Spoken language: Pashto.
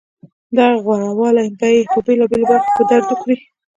دغه غورهوالی به یې په بېلابېلو برخو کې په درد وخوري